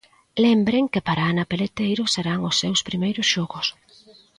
Lembren que para Ana Peleteiro serán os seus primeiros xogos.